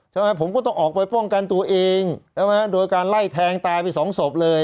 ใช่ไหมผมก็ต้องออกไปป้องกันตัวเองใช่ไหมโดยการไล่แทงตายไปสองศพเลย